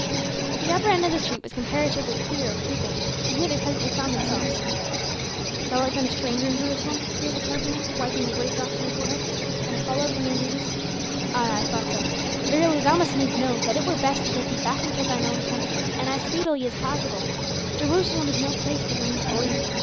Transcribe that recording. The upper end of the street was comparatively clear of people, and here they presently found themselves. "Thou art then a stranger in Jerusalem?" queried the carpenter, wiping the great drops from his forehead. "And a follower of the man Jesus? Ay, I thought so. Verily, thou must needs know that it were best to get thee back into thine own country and as speedily as possible; Jerusalem is no place for them that believe.